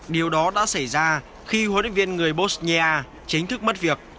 điều đó đã xảy ra khi huấn luyện viên người bosnia chính thức mất việc